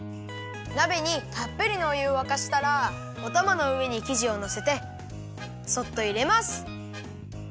なべにたっぷりのおゆをわかしたらおたまのうえにきじをのせてそっといれます。